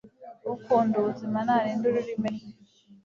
ukunda ubuzima narinde ururimi rwe